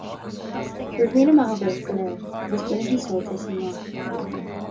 Go raibh míle maith agaibh go léir, agus bainigí sult as an lá